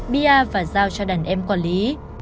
bia và giao cho đàn em quản lý